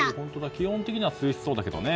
気温的には涼しそうだけどね。